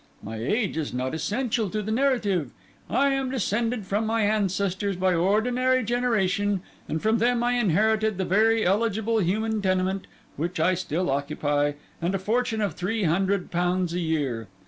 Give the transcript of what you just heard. My age is not essential to the narrative. I am descended from my ancestors by ordinary generation, and from them I inherited the very eligible human tenement which I still occupy and a fortune of three hundred pounds a year.